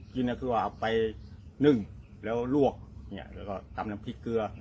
นี่คือว่าเอาไปนึ่งแล้วลวกแล้วก็ตำน้ำพริกเกลือ